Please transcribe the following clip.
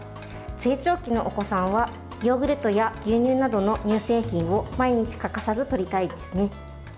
成長期のお子さんはヨーグルトや牛乳などの乳製品を毎日欠かさずとりたいですね。